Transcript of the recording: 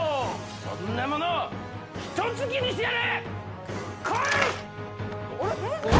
そんなものひと突きにしてやる！